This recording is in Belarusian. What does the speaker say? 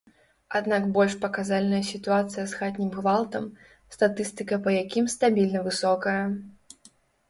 Аднак больш паказальная сітуацыя з хатнім гвалтам, статыстыка па якім стабільна высокая.